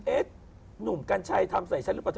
เอ๊ะหนุ่มกัญชัยทำใส่ใช่หรือเปล่า